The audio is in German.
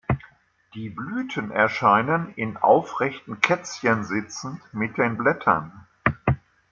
Die Blüten erscheinen, in aufrechten Kätzchen sitzend, mit den Blättern.